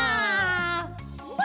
わ！